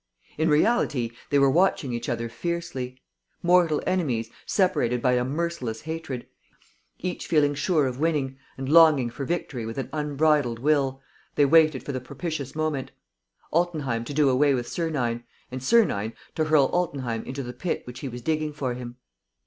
In reality, they were watching each other fiercely. Mortal enemies, separated by a merciless hatred, each feeling sure of winning and longing for victory with an unbridled will, they waited for the propitious moment: Altenheim to do away with Sernine; and Sernine to hurl Altenheim into the pit which he was digging for him.